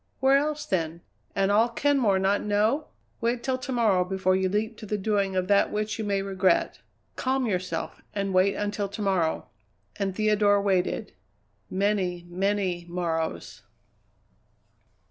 "Where else then and all Kenmore not know? Wait till to morrow before you leap to the doing of that which you may regret. Calm yourself and wait until to morrow." And Theodora waited many, many morrows.